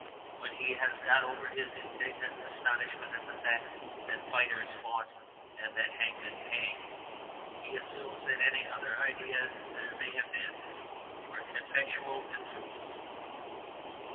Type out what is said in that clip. When he has got over his indignant astonishment at the fact that fighters fought and that hangmen hanged, he assumes that any other ideas there may have been were ineffectual and fruitless.